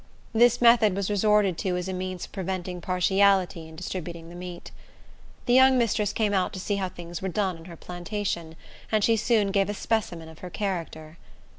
This method was resorted to as a means of preventing partiality in distributing the meat. The young mistress came out to see how things were done on her plantation, and she soon gave a specimen of her character.